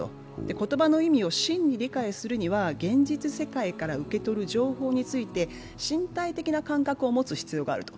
言葉の意味を真に理解するには現実世界から受け取る情報について身体的な感覚を持つ必要があると。